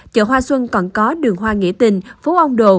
chợ hoa xuân còn có đường hoa nghĩa tình phố ông đồ